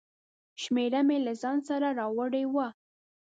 شمېره مې له ځانه سره راوړې وه.